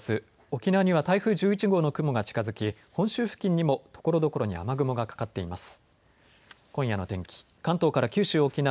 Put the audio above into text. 沖縄には台風１１号の雲が近づき本州付近にもところどころに雨雲がかかっています。